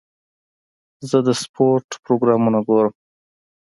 زه د سپورټ پروګرامونه ګورم.